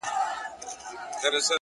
ښه ډاډه دي نه یې ډار سته له پیشیانو,